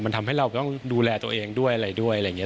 มันทำให้เราต้องดูแลตัวเองด้วยอะไรด้วยอะไรอย่างนี้